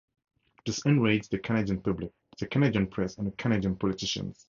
This enraged the Canadian public, the Canadian press and Canadian politicians.